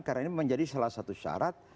karena ini menjadi salah satu syarat